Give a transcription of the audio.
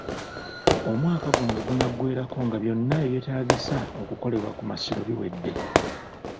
Omwaka guno wegunaggwerako nga byonna ebyetaagisa okukolebwa ku Masiro biwedde.